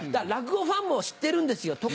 落語ファンも知ってるんですよ